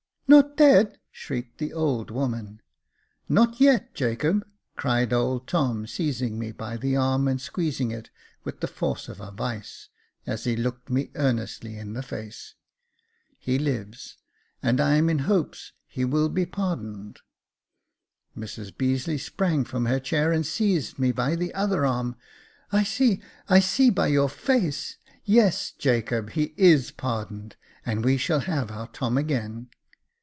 Not dead !" shrieked the old woman. " Not yet, Jacob ;" cried old Tom, seizing me by the arm, and squeezing it with the force of a vice, as he looked me earnestly in the face. " He lives : and I am in hopes he will be pardoned.*' Mrs Beazeley sprang from her chair and seized me by the other arm. " I see — I see by your face. Yes, Jacob, he is pardoned ; and we shall have our Tom again."